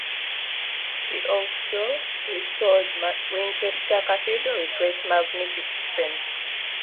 He also restored Winchester Cathedral with great magnificence.